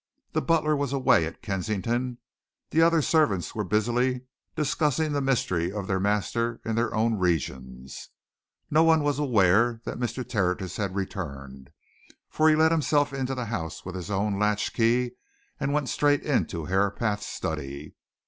The butler was away at Kensington; the other servants were busily discussing the mystery of their master in their own regions. No one was aware that Mr. Tertius had returned, for he let himself into the house with his own latch key, and went straight into Herapath's study.